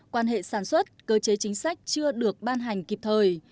quan hệ sản xuất cơ chế chính sách chưa được ban hành kịp thời